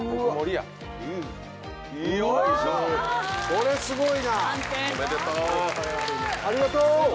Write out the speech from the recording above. これすごいな。